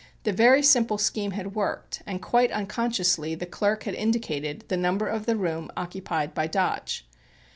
The very simple scheme had worked, and quite unconsciously the clerk had indicated the number of the room occupied by Dodge.